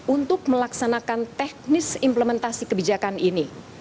untuk melaksanakan teknis implementasi kebijakan ini